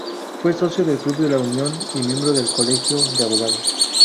Fue socio del Club de La Unión y miembro del Colegio de Abogados.